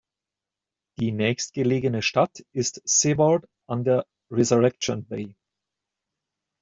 Die nächstgelegene Stadt ist Seward an der Resurrection Bay.